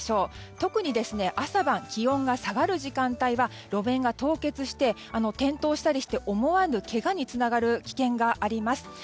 特に、朝晩の気温が下がる時間帯は路面が凍結して転倒したりして思わぬけがにつながる危険があります。